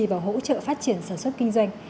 và hỗ trợ phát triển sản xuất kinh doanh